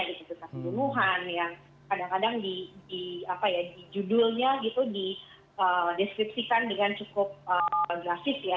berita keburuhan yang kadang kadang di judulnya gitu di deskripsikan dengan cukup grafis ya